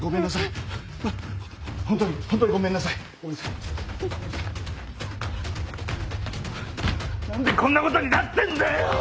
なんでこんなことになってんだよ！